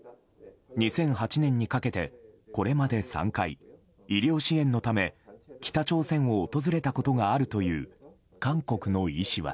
２００８年にかけてこれまで３回医療支援のため北朝鮮を訪れたことがあるという韓国の医師は。